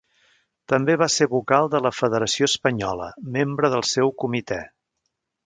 També va ser vocal de la Federació Espanyola, membre del seu Comitè.